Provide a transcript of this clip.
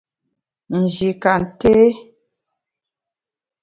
Nji ka nté.